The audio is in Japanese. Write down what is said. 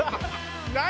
何？